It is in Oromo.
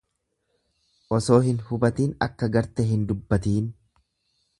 Osoo hin hubatiin akka garte hin dubbatiin.